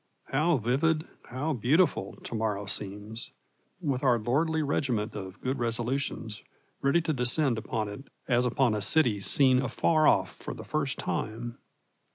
How vivid, how beautiful, to morrow seems with our lordly regiment of good resolutions ready to descend upon it as upon a city seen afar off for the first time!